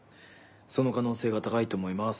その可能性が高いと思います。